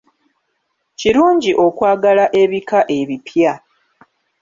Kirungi okwagala ebika ebipya.